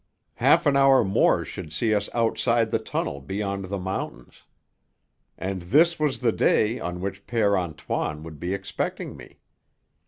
Half an hour more should see us outside the tunnel beyond the mountains. And this was the day on which Père Antoine would be expecting me.